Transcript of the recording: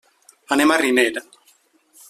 Anem a Riner.